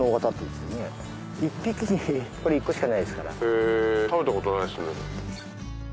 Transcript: へぇ食べたことないですね。